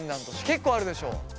結構あるでしょ？